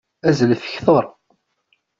Azzlet kteṛ!